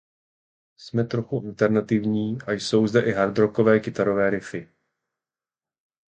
Jsme trochu alternativní a jsou zde i hardrockové kytarové riffy.